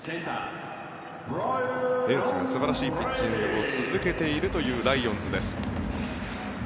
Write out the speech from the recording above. エンスが素晴らしいピッチングを続けているというライオンズです。